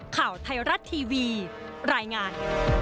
ข่าวไทยรัฐทีวีรายงาน